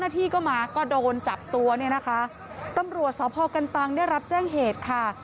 ตัวตัวนี่นะคะตำรวจสกันตังได้รับแจ้งเหตุค่ะ